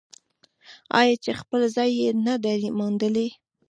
آیا چې خپل ځای یې نه دی موندلی؟